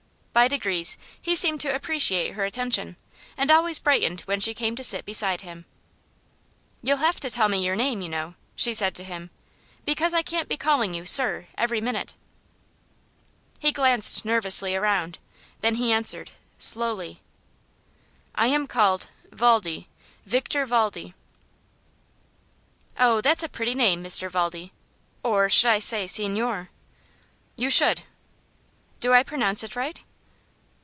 By degrees he seemed to appreciate her attention, and always brightened when she came to sit beside him. "You'll have to tell me your name, you know," she said to him; "because I can't be calling you 'Sir' every minute." He glanced nervously around. Then he answered, slowly: "I am called Valdi Victor Valdi." "Oh, that's a pretty name, Mr. Valdi or should I say Signor?" "You should." "Do I pronounce it right?"